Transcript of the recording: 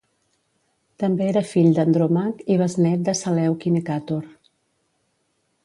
També era fill d'Andromac i besnet de Seleuc I Nicàtor.